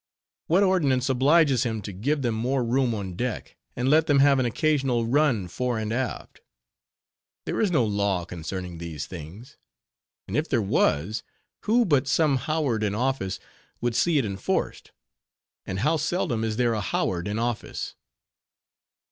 What ordinance obliges him to give them more room on deck, and let them have an occasional run fore and aft?—There is no law concerning these things. And if there was, who but some Howard in office would see it enforced? and how seldom is there a Howard in office!